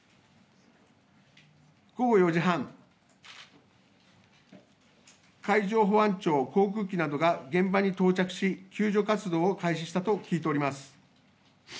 午後４時半、海上保安庁航空機などが現場に到着し、救助活動を開始したと聞いております。